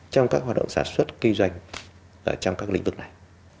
trong các hoạt động sản xuất kinh doanh trong các lĩnh vực này